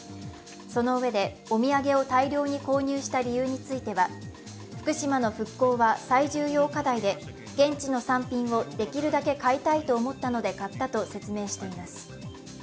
そのうえで、お土産を大量に購入した理由については、福島の復興は最重要課題で現地の産品をできるだけ買いたいと思ったので買ったと説明しています。